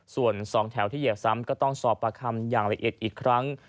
ส่วน๒แถวที่เหยียบซ้ำก็ต้องสอบประคำอย่างละเอียดอีกครั้ง